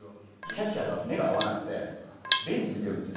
キャッチャーが目が合わなくてベンチ見てるんですよ